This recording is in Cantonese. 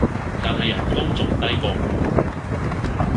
但係人工仲低過我